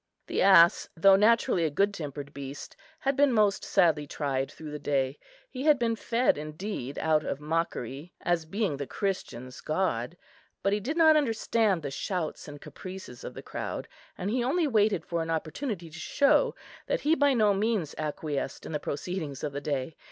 The ass, though naturally a good tempered beast, had been most sadly tried through the day. He had been fed, indeed, out of mockery, as being the Christians' god; but he did not understand the shouts and caprices of the crowd, and he only waited for an opportunity to show that he by no means acquiesced in the proceedings of the day.